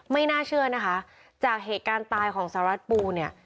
ไม่น่าเชื่อนะคะจากเหตุการณ์ตายของสหรัฐปูเนี่ย